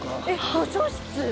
図書室